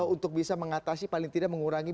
untuk bisa mengatasi paling tidak mengurangi